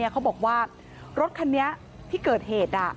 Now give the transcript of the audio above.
เขาบอกว่ารถคันนี้ที่เกิดเหตุ